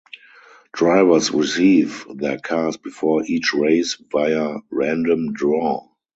Drivers receive their cars before each race via random draw.